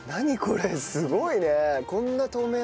これすごいねえ。